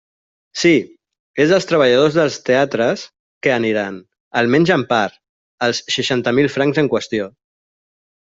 Sí, és als treballadors dels teatres que aniran, almenys en part, els seixanta mil francs en qüestió.